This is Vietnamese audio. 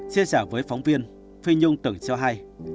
chia sẻ với phóng viên phi nhung từng cho hay